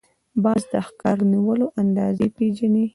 باز د ښکار د نیولو اندازې پېژني